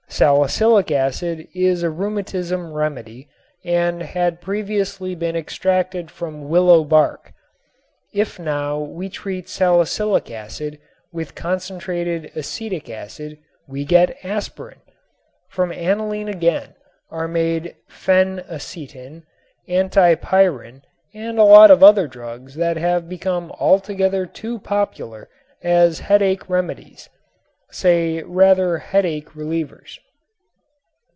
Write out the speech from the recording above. Salicylic acid is a rheumatism remedy and had previously been extracted from willow bark. If now we treat salicylic acid with concentrated acetic acid we get "aspirin." From aniline again are made "phenacetin," "antipyrin" and a lot of other drugs that have become altogether too popular as headache remedies say rather "headache relievers."